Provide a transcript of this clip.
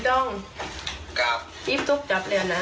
ถ้ว่าเขาก็บอกว่าเธอข้าวมา